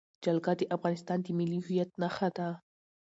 جلګه د افغانستان د ملي هویت نښه ده.